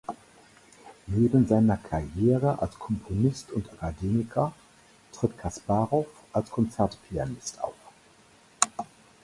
Neben seiner Karriere als Komponist und Akademiker tritt Kasparov als Konzertpianist auf.